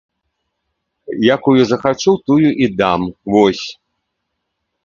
Якую захачу, тую і дам, вось!